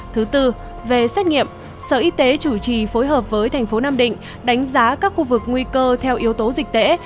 thứ tư về xét nghiệm sở y tế chủ trì phối hợp với thành phố nam định đánh giá các khu vực nguy cơ theo yếu tố dịch tễ